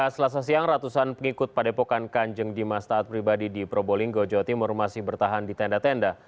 selasa siang ratusan pengikut padepokan kanjeng dimas taat pribadi di probolinggo jawa timur masih bertahan di tenda tenda